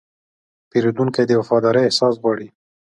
پیرودونکی د وفادارۍ احساس غواړي.